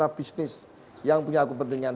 bisnis yang punya kepentingan